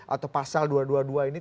atau pasal dua dua dua ini